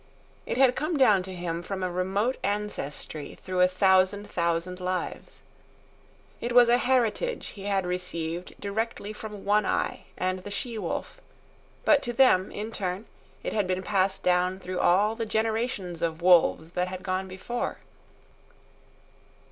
It had come down to him from a remote ancestry through a thousand thousand lives. It was a heritage he had received directly from One Eye and the she wolf; but to them, in turn, it had been passed down through all the generations of wolves that had gone before.